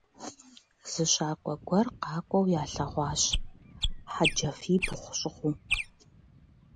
Зы щакӀуэ гуэр къакӀуэу ялъэгъуащ, хьэджафибгъу щӀыгъуу.